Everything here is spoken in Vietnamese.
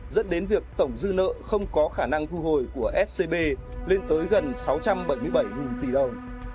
dẫn đến việc tổng dư nợ không có khả năng thu hồi của scb lên tới gần sáu trăm bảy mươi bảy tỷ đồng